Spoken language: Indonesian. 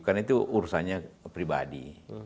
karena itu urusannya pribadi